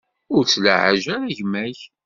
Ur ttlaɛaj ara gma-k.